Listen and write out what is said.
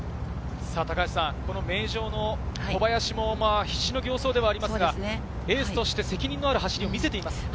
名城の小林も必死の形相ではありますが、エースとして責任のある走りを見せていますね。